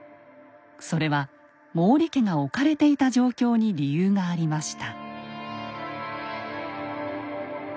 それは毛利家が置かれていた状況に理由がありました。